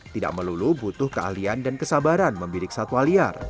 tidak melulu butuh keahlian dan kesabaran membidik satwaliar